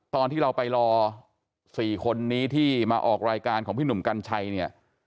ตอนที่เราไปรอ๔คนนี้ที่มาออกรายการของพี่หนุ่มกัญชัยเนี่ย